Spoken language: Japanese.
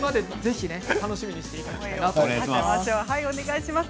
楽しみにしていただけたらと思います。